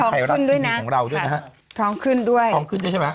สมุทรท้องขึ้นด้วยนะท้องขึ้นด้วยนะครับสมุทรท้องขึ้นด้วยของเราด้วยนะครับ